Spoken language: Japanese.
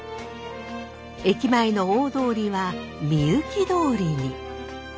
駅前の大通りは御幸通に。